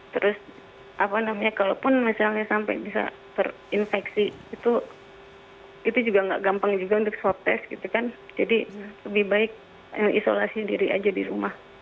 terus apa namanya kalaupun misalnya sampai bisa terinfeksi itu juga nggak gampang juga untuk swab test gitu kan jadi lebih baik isolasi diri aja di rumah